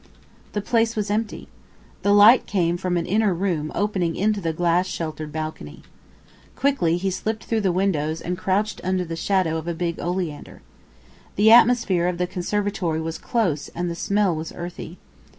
The place was empty. The light came from an inner room opening into the glass sheltered balcony. Quickly he slipped through the windows and crouched under the shadow of a big oleander. The atmosphere of the conservatory was close and the smell was earthy.